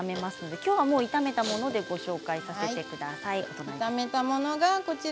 きょうは炒めたものでご紹介させてください。